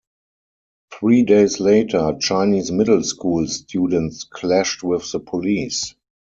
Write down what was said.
Three days later, Chinese middle school students clashed with the police.